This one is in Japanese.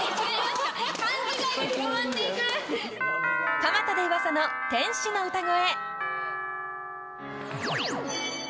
蒲田で噂の天使の歌声！